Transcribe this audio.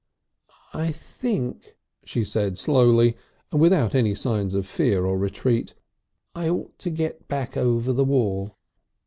"I think," she said slowly, and without any signs of fear or retreat, "I ought to get back over the wall."